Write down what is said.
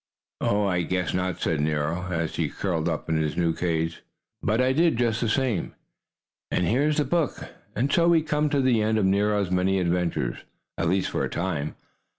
"Oh, I guess not," said Nero, as he curled up in his new cage. But I did, just the same, and here's the book. And so we come to the end of Nero's many adventures at least for a time.